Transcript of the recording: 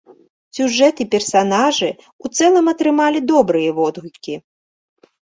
Сюжэт і персанажы ў цэлым атрымалі добрыя водгукі.